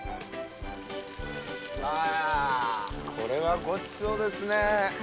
これはごちそうですね。